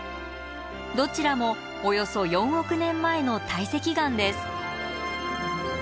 どちらもおよそ４億年前の堆積岩です。